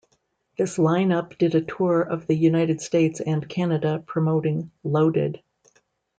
This line-up did a tour of the United States and Canada promoting "Loaded".